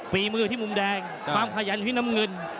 ฝีมือที่มุมแดงความขยันของพี่น้ำเงิน